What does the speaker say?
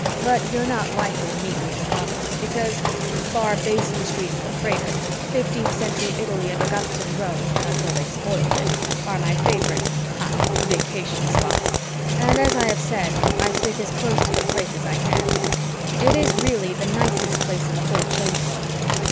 But you are not likely to meet me in the cosmos, because (bar Basin Street and the Prater) 15th Century Italy and Augustan Rome until they spoiled it are my favorite Ha! vacation spots and, as I have said, I stick as close to the Place as I can. It is really the nicest Place in the whole Change World.